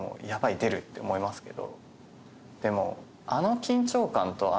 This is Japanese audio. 出るって思いますけど。